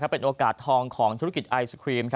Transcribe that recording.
เป็นโอกาสทองของธุรกิจไอศครีม